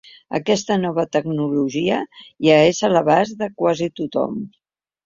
Aquesta nova tecnologia ja és a l’abast de quasi tothom.